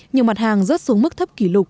nhiều mặt hàng rớt xuống mức thấp